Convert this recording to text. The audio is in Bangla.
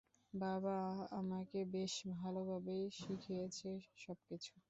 বাবা আমাকে বেশ ভালভাবেই শিখিয়েছে সবকিছু!